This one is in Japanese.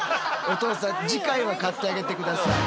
お父さん次回は買ってあげて下さい。